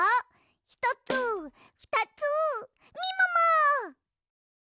ひとつふたつみもも！